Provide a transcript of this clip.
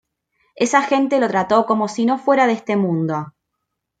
Esa gente lo trató como si no fuera de este mundo.